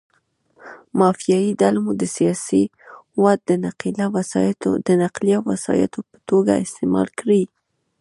مافیایي ډلې مو د سیاسي واټ د نقلیه وسایطو په توګه استعمال کړي.